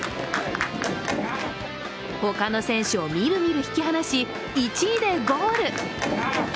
他の選手をみるみる引き離し１位でゴール。